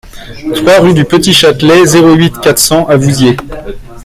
trois rue du Petit Châtelet, zéro huit, quatre cents à Vouziers